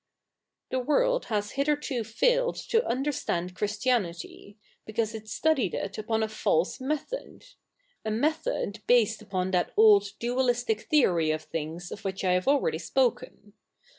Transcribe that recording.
' The world has hitherto failed to understand Christi anity, because it studied it upon a false method — a niethod based upon that old dualistic theory of things of which I have already spoken.